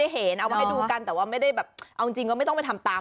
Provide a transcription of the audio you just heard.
หลังเจ็บกว่า